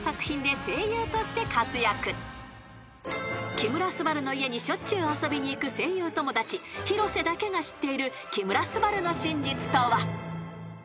［木村昴の家にしょっちゅう遊びに行く声優友達広瀬だけが知っている木村昴の真実とは？］